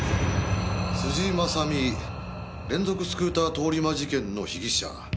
辻正巳連続スクーター通り魔事件の被疑者。